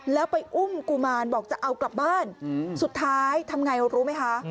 แล้วไปอุ้มกุมารบอกจะเอากลับบ้านสุดท้ายทำไงรู้ไหมคะ